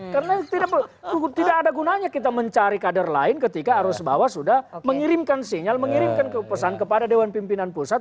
karena tidak ada gunanya kita mencari kader lain ketika arus bawah sudah mengirimkan sinyal mengirimkan pesan kepada dewan pimpinan pusat